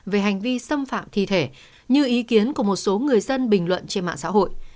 về hành vi xâm phạm thi thể như ý kiến của một số người dân bình luận trên mạng xã hội